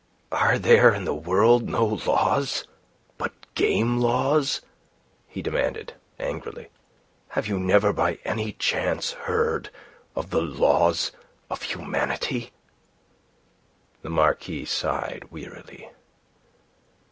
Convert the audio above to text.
"Are there in the world no laws but game laws?" he demanded, angrily. "Have you never by any chance heard of the laws of humanity?" The Marquis sighed wearily.